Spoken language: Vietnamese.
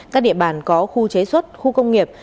các địa bàn có khu chế xuất khu công nghiệp